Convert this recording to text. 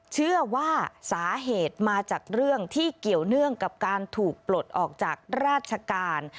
เชื่อว่าสาเหตุมาจากเรื่องที่เกี่ยวเนื่องกับการถูกปลดออกจากราชการ